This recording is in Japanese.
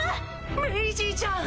メイジーちゃん！